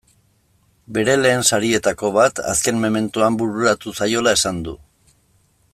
Bere lehen sarietako bat azken mementoan bururatu zaiola esan du.